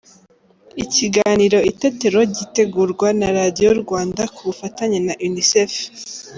Ikiganiro Itetero gitegurwa na Radio Rwanda ku bufatanye na Unicef.